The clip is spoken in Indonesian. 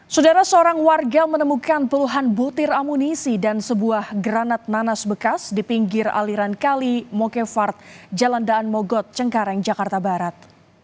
saudara seorang warga menemukan puluhan butir amunisi dan sebuah granat nanas bekas di pinggir aliran kali mokevard jalan daan mogot cengkareng jakarta barat